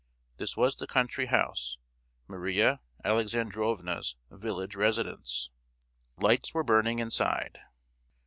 This was the country house, Maria Alexandrovna's village residence. Lights were burning inside.